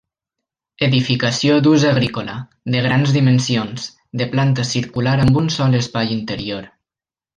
Edificació d'ús agrícola, de grans dimensions, de planta circular amb un sol espai interior.